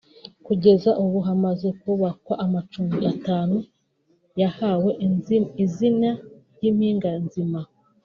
Kugeza ubu hamaze kubakwa amacumbi atanu yahawe izina ry’Impinganzima